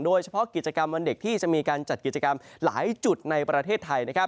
โดยเฉพาะกิจกรรมวันเด็กที่จะมีการจัดกิจกรรมหลายจุดในประเทศไทยนะครับ